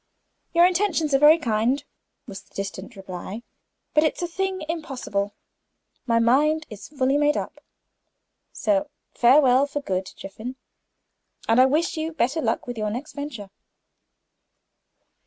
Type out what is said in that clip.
"Your intentions are very kind," was the distant answer, "but it's a thing impossible; my mind is fully made up. So farewell for good, Jiffin; and I wish you better luck in your next venture."